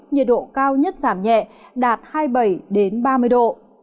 nhiệt độ cao nhất giảm nhẹ đạt hai mươi bảy ba mươi độ